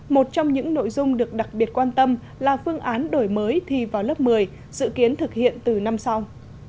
một trong những nội dung được đặc biệt quan tâm là phương án đổi mới thi vào lớp một mươi dự kiến thực hiện từ năm sau